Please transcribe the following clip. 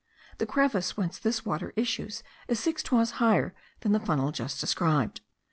The crevice whence this water issues is six toises higher than the funnel just described.